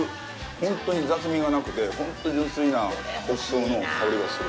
本当に雑味がなくて本当に純粋な黒糖の香りがする。